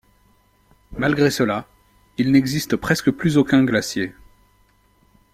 Malgré cela, il n'existe presque plus aucun glacier.